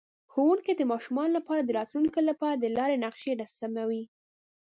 ښوونکی د ماشومانو لپاره د راتلونکي لپاره د لارې نقشه رسموي.